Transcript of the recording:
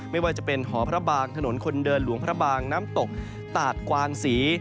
ไม่ว่าจะเป็นหอพระบางถนนคนเดินหลวงพระบางน้ำตกตาดกวางศรี